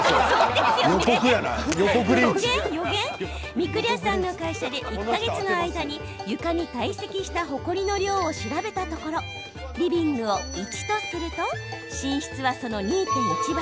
御厨さんの会社で１か月の間に床に堆積したほこりの量を調べたところリビングを１とすると寝室はその２．１倍。